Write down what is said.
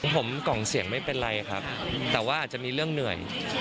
ผมกล่องเสียงไม่เป็นไรครับแต่ว่าอาจจะมีเรื่องเหนื่อย